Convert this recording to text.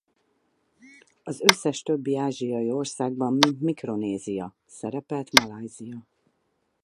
Az összes többi ázsiai országban mint Mikronézia szerepelt Malajzia.